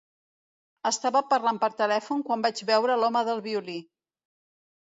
Estava parlant per telèfon quan vaig veure l'home del violí.